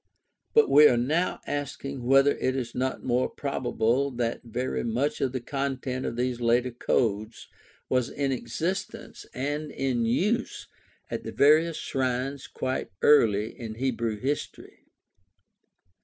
But we are now asking whether it is not more probable that very much of the content of these later codes was in existence and in use at the various shrines quite early in Hebrew history.